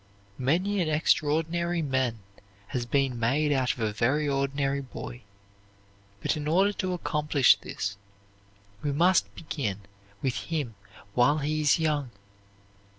Many an extraordinary man has been made out of a very ordinary boy: but in order to accomplish this we must begin with him while he is young.